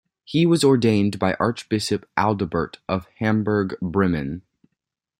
He was ordained by archbishop Adalbert of Hamburg-Bremen.